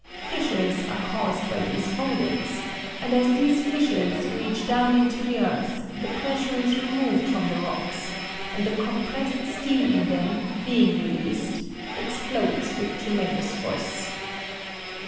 Fissures are caused by these foldings, and as these fissures reach down into the earth the pressure is removed from the rocks and the compressed steam in them, being released, explodes with tremendous force."